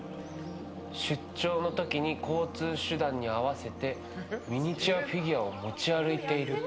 出張の時に交通手段に合わせてミニチュアフィギュアを持ち歩いている。